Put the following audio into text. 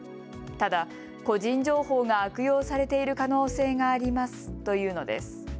ただ、個人情報が悪用されている可能性がありますと言うのです。